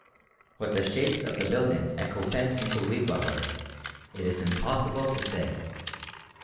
What the shapes of the buildings at Copan and Quirigua were it is impossible to say.